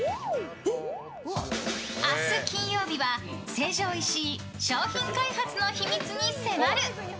明日金曜日は成城石井商品開発の秘密に迫る。